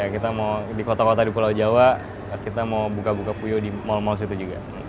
kita mau di kota kota di pulau jawa kita mau buka buka puyo di mal mal situ juga